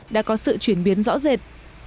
đã có sự chuyển biến rõ rệt